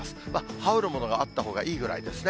羽織るものがあったほうがいいぐらいですね。